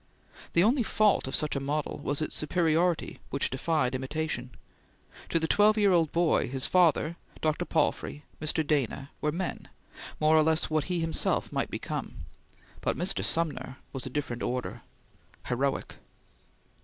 The only fault of such a model was its superiority which defied imitation. To the twelve year old boy, his father, Dr. Palfrey, Mr. Dana, were men, more or less like what he himself might become; but Mr. Sumner was a different order heroic.